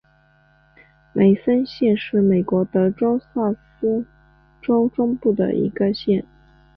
梅森县是美国德克萨斯州中部的一个县。